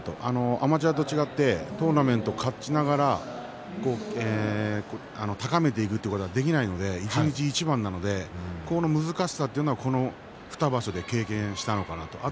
アマチュアと違ってトーナメントを勝ちながら高めていくということはできないので一日一番なのでこの難しさはこの２場所、経験したのかなと。